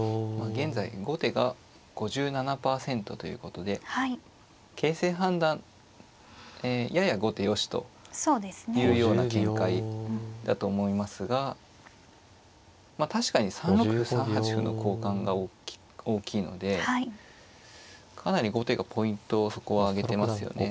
現在後手が５７％ということで形勢判断えやや後手よしというような見解だと思いますが確かに３六歩３八歩の交換が大きいのでかなり後手がポイントをそこはあげてますよね。